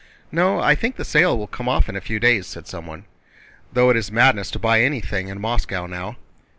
"No, I think the sale will come off in a few days," said someone. "Though it is madness to buy anything in Moscow now."